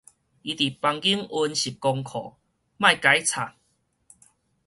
伊佇房間溫習功課，莫共伊吵